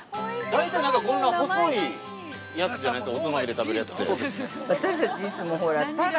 ◆大体、こんな細いやつじゃないですか。